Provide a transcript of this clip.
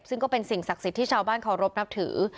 ซึ่งก็เป็นสิ่งศักดิ์สิทธิ์ที่ชาวบ้านเคารพนับถือ